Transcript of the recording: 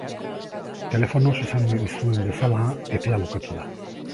Telefonoz esan nizuen bezala, epea bukatu da.